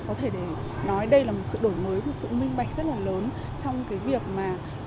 có thể để nói đây là một sự đổi mới một sự minh bạch rất là lớn trong cái việc mà